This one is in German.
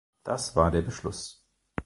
Das war der Beschluss.